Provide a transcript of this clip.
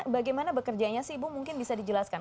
bagaimana bekerjanya sih ibu mungkin bisa dijelaskan